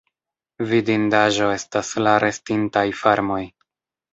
Vidindaĵo estas la restintaj farmoj.